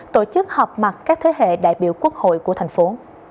tổ chức họp mặt các thế hệ đại biểu quốc hội của thành phố